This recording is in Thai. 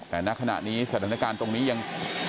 แต่ณขณะนี้สถานการณ์ตรงนี้ยัง